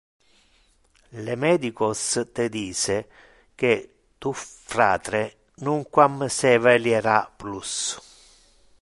Le medicos te dice que tu fratre nunquam se eveliara plus.